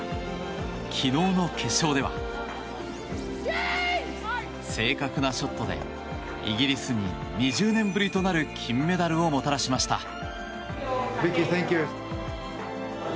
昨日の決勝では正確なショットでイギリスに２０年ぶりとなる金メダルをもたらしました。